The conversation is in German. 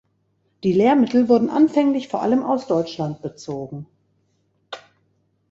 Die Lehrmittel wurden anfänglich vor allem aus Deutschland bezogen.